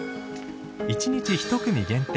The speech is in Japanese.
１日１組限定